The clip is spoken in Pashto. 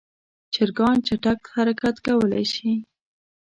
چرګان چټک حرکت کولی شي.